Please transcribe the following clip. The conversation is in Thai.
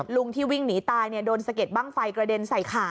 ลุงที่วิ่งหนีตายโดนสะเก็ดบ้างไฟกระเด็นใส่ขา